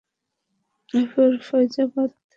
এরপর ফয়জাবাদ থেইক্কা, আইসা পড়লেন লখনও।